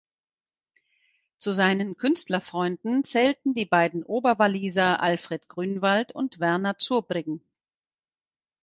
Zu seinen Künstlerfreunden zählten die beiden Oberwalliser Alfred Grünwald und Werner Zurbriggen.